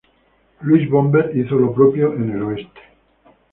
Louis Bombers hizo lo propio en la Oeste.